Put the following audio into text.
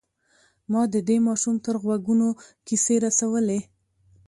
ما د دې ماشوم تر غوږونو کيسې رسولې.